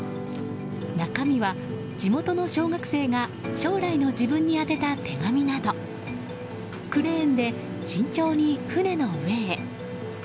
中身は地元の小学生が将来の自分に宛てた手紙などクレーンで慎重に船の上へ。